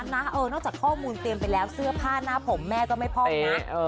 นอกจากข้อมูลเตรียมไปแล้วเสื้อผ้าหน้าผมแม่ก็ไม่พองนะ